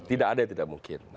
tidak ada yang tidak mungkin